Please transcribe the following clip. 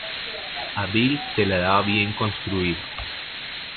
A Bil se le daba bien construir.